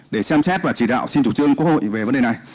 để xem xét và chỉ đạo xin chủ trương quốc hội về vấn đề này